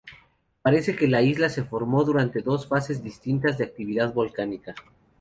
Parece que la isla se formó durante dos fases distintas de actividad volcánica.